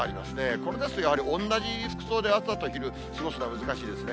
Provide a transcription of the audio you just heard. これですと同じ服装で朝と昼、過ごすのは難しいですね。